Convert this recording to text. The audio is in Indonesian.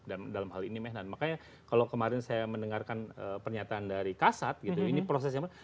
dan dalam hal ini memang makanya kalau kemarin saya mendengarkan pernyataan dari kasat gitu ini prosesnya apa